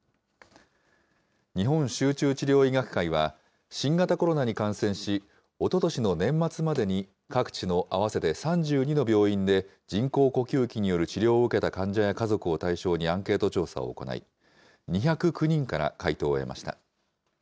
日本集中治療医学会は新型コロナに感染し、おととしの年末までに各地の合わせて３２の病院で人工呼吸器による治療を受けた患者や家族を対象にアンケート調査を行い、２０９人から回答を得ました。